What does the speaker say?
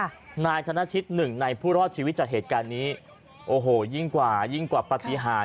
นายธนชิตหนึ่งในผู้รอดชีวิตจากเหตุการณ์นี้โอ้โหยิ่งกว่ายิ่งกว่าปฏิหาร